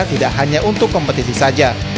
tidak hanya untuk kompetisi saja